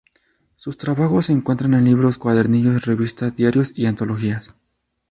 Sus trabajos se encuentran en libros, cuadernillos, revistas, diarios y antologías.